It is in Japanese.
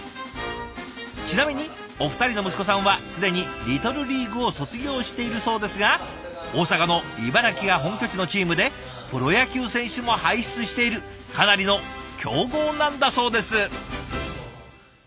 ちなみにお二人の息子さんは既にリトルリーグを卒業しているそうですが大阪の茨木が本拠地のチームでプロ野球選手も輩出しているかなりの強豪なんだそうです。